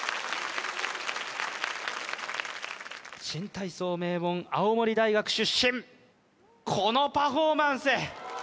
新体操名門青森大学出身このパフォーマンス